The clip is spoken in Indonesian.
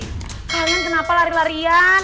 kalian kenapa lari larian